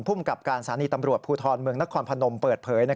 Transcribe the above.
ภูมิกับการสถานีตำรวจภูทรเมืองนครพนมเปิดเผย